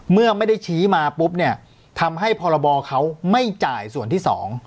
เมื่อไม่ได้ชี้มาปุ๊บเนี่ยทำให้พรบเขาไม่จ่ายส่วนที่๒